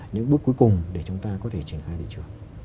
những bước cuối cùng để chúng ta có thể triển khai thị trường